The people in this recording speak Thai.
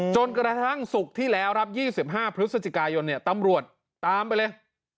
จนกระทั่งศุกร์ที่แล้วครับ๒๕พฤศจิกายนตำรวจตามไปเลย